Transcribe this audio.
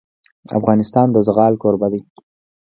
افغانستان د زغال کوربه دی.